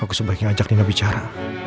aku sebaiknya ajak nina bicara